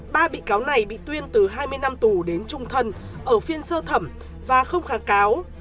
ba bị cáo này bị tuyên từ hai mươi năm tù đến trung thân ở phiên sơ thẩm và không kháng cáo